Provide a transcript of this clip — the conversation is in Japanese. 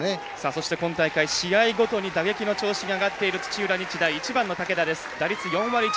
そして今大会試合ごとに打撃の調子が上がっている１番の武田です。